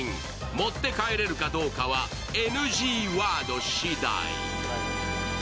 持って帰れるかどうかはＮＧワードしだい。